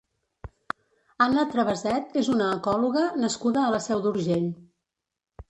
Anna Traveset és una ecòloga nascuda a La Seu d'Urgell.